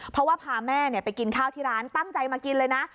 เพราะว่าพาแม่ไปกินข้าวที่ร้านตั้งใจมากินเลยนะ